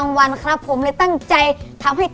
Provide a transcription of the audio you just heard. น้องไมโครโฟนจากทีมมังกรจิ๋วเจ้าพญา